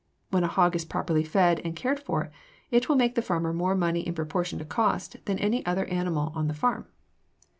When a hog is properly fed and cared for it will make the farmer more money in proportion to cost than any other animal on the farm.